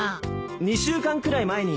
２週間くらい前に。